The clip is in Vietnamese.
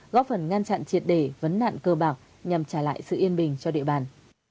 góp phần ngăn chặn triệt để vấn nạn cơ bạc nhằm trả lại sự yên bình cho địa bàn